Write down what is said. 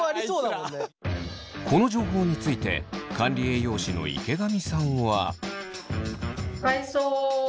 この情報について管理栄養士の池上さんは。